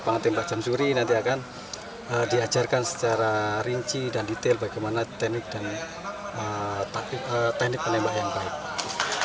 lapangan tembak jam suri nanti akan diajarkan secara rinci dan detail bagaimana teknik dan teknik menembak yang baik